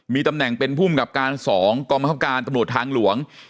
มีตำแหน่งเป็นภูมิกับการ๒กองบังคับการตำรวจทางหลวง